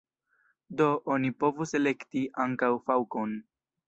Do oni povus elekti ankaŭ faŭkon.